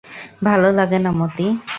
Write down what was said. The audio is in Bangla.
ভালো লাগে না মতি?